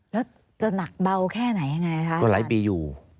แล้วจะหนักเบาแค่ไหนยังไงคะ